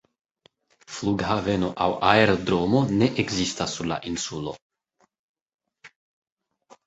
Flughaveno aŭ aerodromo ne ekzistas sur la insulo.